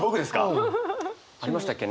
うん。ありましたっけね？